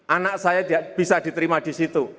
anak saya bisa diterima di situ